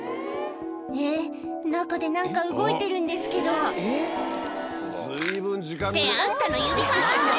えぇ中で何か動いてるんですけどってあんたの指かい！